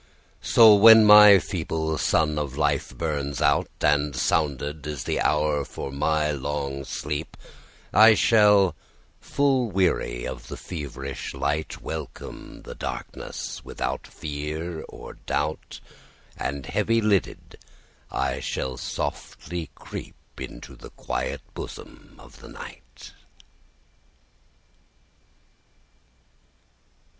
So when my feeble sun of life burns out, And sounded is the hour for my long sleep,I shall, full weary of the feverish light, Welcome the darkness without fear or doubt, And heavy lidded, I shall softly creepInto the quiet bosom of the Night.